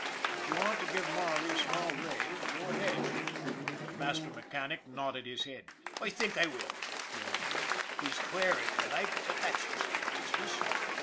If you want to give Marley a small raise, go ahead." The master mechanic nodded his head. " I think I will," he announced. " He's queer if you like, but that's his own business.